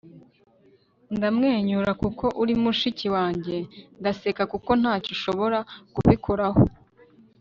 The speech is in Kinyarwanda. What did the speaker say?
ndamwenyura kuko uri mushiki wanjye. ndaseka kuko ntacyo ushobora kubikoraho